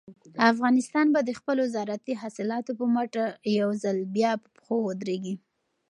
افغانستان به د خپلو زارعتي حاصلاتو په مټ یو ځل بیا په پښو ودرېږي.